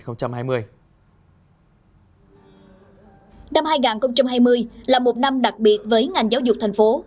năm hai nghìn hai mươi là một năm đặc biệt với ngành giáo dục thành phố